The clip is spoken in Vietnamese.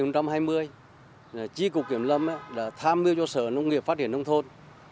tri cục kiểm lâm đã tham mưu cho sở nông nghiệp phát triển nông thôn